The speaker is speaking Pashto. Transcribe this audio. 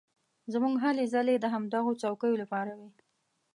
زموږ هلې ځلې د همدغو څوکیو لپاره وې.